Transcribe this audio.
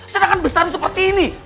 sedangkan bestari seperti ini